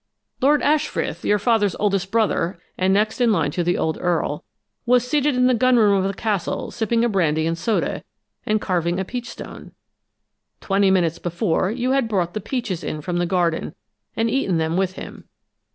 "Lord Ashfrith, your father's oldest brother, and next in line to the old Earl, was seated in the gun room of the castle, sipping a brandy and soda, and carving a peach stone. Twenty minutes before, you had brought the peaches in from the garden, and eaten them with him.